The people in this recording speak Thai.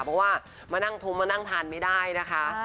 เพราะว่ามานั่งทงมานั่งทานไม่ได้นะคะ